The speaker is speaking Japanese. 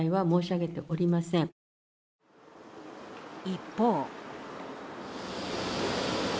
一方。